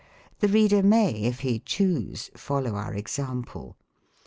The reader may, if he choose, follow our ex ample.